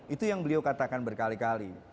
itu yang beliau katakan berkali kali